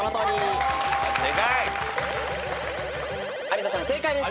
有田さん正解です。